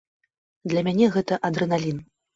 Для мяне гэта адрэналін.